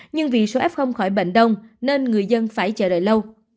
nhưng vì số f khỏi bệnh đông nên người dân phải chờ đợi lâu